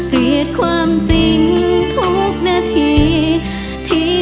เกลียดความจริงทุกนาที